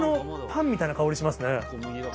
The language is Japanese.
焼きたてのパンみたいな香りしますね。